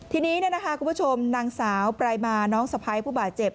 ทีนี้คุณผู้ชมนางสาวปลายมาน้องสะพ้ายผู้บาดเจ็บ